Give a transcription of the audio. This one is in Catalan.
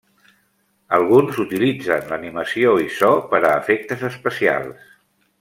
Alguns utilitzen l'animació i so per a efectes especials.